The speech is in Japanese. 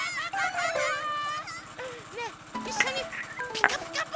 ねえいっしょに「ピカピカブ！」